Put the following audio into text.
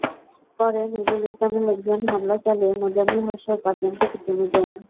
পরে নুরুল ইসলামের লোকজন হামলা চালিয়ে মোজাম্মেল হকসহ পাঁচজনকে পিটুনি দেন।